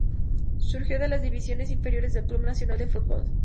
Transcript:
Surgió de las divisiones inferiores del Club Nacional de Football.